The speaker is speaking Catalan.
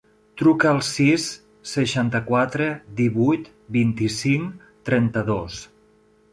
Truca al sis, seixanta-quatre, divuit, vint-i-cinc, trenta-dos.